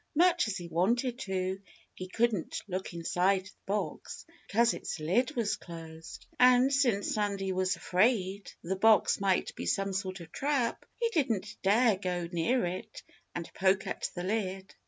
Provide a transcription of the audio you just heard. Much as he wanted to, he couldn't look inside the box, because its lid was closed. And since Sandy was afraid the box might be some sort of trap, he didn't dare go near it and poke at the lid.